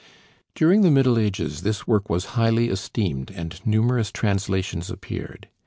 During the Middle Ages this work was highly esteemed, and numerous translations appeared.